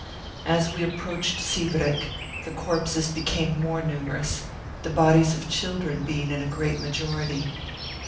As we approached Sivrek, the corpses became more numer ous, the bodies of children being in a great majority.